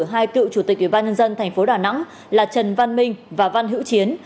hai cựu chủ tịch ubnd tp đà nẵng là trần văn minh và văn hữu chiến